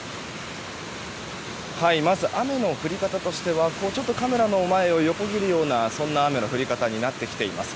まず雨の降り方としてはちょっとカメラの前を横切るような雨の降り方になってきています。